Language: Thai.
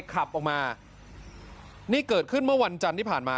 ขับออกมานี่เกิดขึ้นเมื่อวันจันทร์ที่ผ่านมา